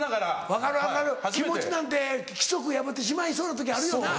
分かる分かる気持ちなんて規則破ってしまいそうな時あるよな。